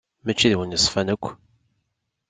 Mačči d win yeṣfan akk.